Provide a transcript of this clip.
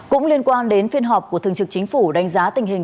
cũng liên quan đến phiên họp của thường trực chính phủ đánh giá tình hình